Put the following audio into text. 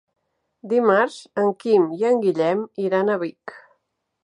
Dimarts en Quim i en Guillem iran a Vic.